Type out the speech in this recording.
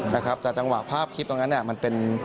แต่จังหวะภาพคลิปตรงนั้นนี่มันเป็น